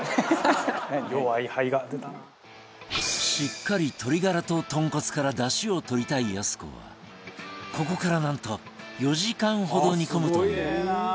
しっかり鶏ガラと豚骨からダシをとりたいやす子はここからなんと４時間ほど煮込むという